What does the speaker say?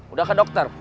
udah ke dokter